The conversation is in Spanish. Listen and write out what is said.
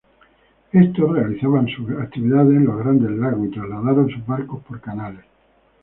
Estos realizaban sus actividades en los Grandes Lagos y trasladaron sus barcos por canales.